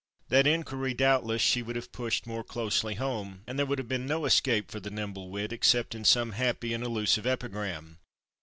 That inquiry, doubtless, she would have pushed more closely home, and there would have been no escape for the nimble wit except in some happy and elusive epigram.